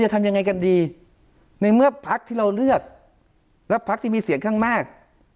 ทำยังไงกันดีในเมื่อพักที่เราเลือกแล้วพักที่มีเสียงข้างมาก